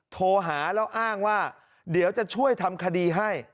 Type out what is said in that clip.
โทรหาแล้วอ้างว่าเดี๋ยวจะช่วยทำคดีให้